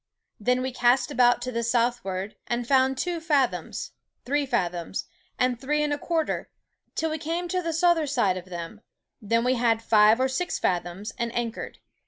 Then we cast about to the southward, and found two fathoms, three fathoms, and three and a quarter, till we came to the souther side of them, then we had five or six fathoms, and anchored.